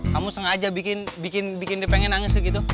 kamu sengaja bikin dia pengen nangis gitu